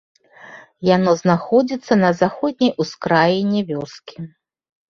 Яно знаходзіцца на заходняй ускраіне вёскі.